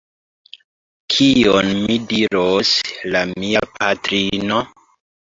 Kion mi diros la mia patrino?